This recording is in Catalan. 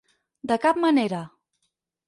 De cap manera.